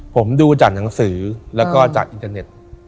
ผมดูจากหนังสือแล้วก็จากอินเทอร์เน็ต